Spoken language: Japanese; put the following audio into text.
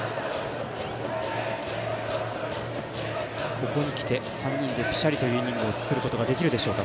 ここにきて３人でぴしゃりというイニングを作ることができるでしょうか。